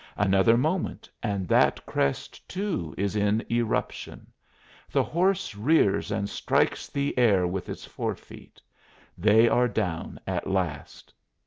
Another moment and that crest too is in eruption. The horse rears and strikes the air with its forefeet. They are down at last.